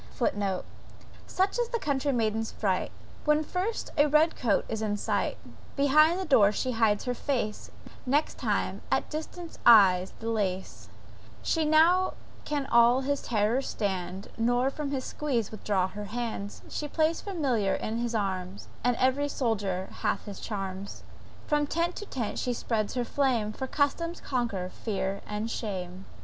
* (*Footnote. "Such is the country maiden's fright, When first a red coat is in sight; Behind the door she hides her face, Next time at distance eyes the lace: She now can all his terrors stand, Nor from his squeeze withdraws her hand, She plays familiar in his arms, And every soldier hath his charms; >From tent to tent she spreads her flame; For custom conquers fear and shame.")